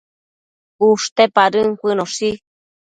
ushte padën cuënoshi